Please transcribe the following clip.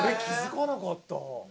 気付かなかった。